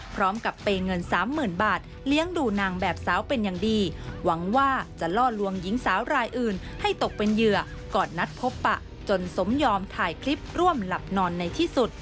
เปย์เงินสามหมื่นบาทเลี้ยงดูนางแบบสาวเป็นอย่างดีหวังว่าจะล่อลวงหญิงสาวรายอื่นให้ตกเป็นเหยื่อก่อนนัดพบปะจนสมยอมถ่ายคลิปร่วมหลับนอนในที่สุด